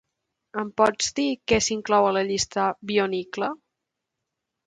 Em pots dir què s'inclou en la llista "Bionicle"?